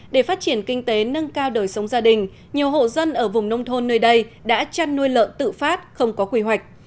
để phát triển kinh tế nâng cao đời sống gia đình nhiều hộ dân ở vùng nông thôn nơi đây đã chăn nuôi lợn tự phát không có quy hoạch